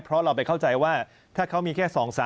เพราะเราไปเข้าใจว่าถ้าเขามีแค่๒๓